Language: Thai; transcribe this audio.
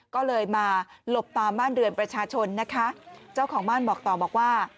ก็เลยมาหลบตามบ้านเรือนประชาชนนะคะเจ้าของบ้านบอกต่อบอกว่า